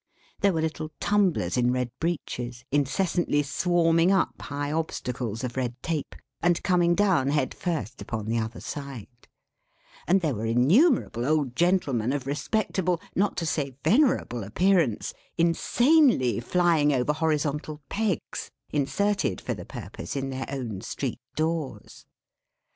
There were little tumblers in red breeches, incessantly swarming up high obstacles of red tape, and coming down, head first, upon the other side; and there were innumerable old gentlemen of respectable, not to say venerable appearance, insanely flying over horizontal pegs, inserted, for the purpose, in their own street doors.